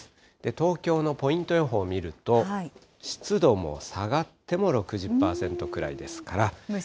東京のポイント予報見ると、湿度も下がっても６０％くらいですから。